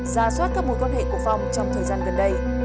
ra soát các mối quan hệ của phòng trong thời gian gần đây